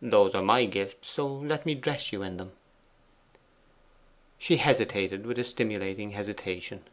Those are my gifts; so let me dress you in them.' She hesitated with a stimulating hesitation.